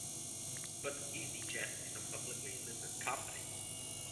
But easyJet is a publicly listed company.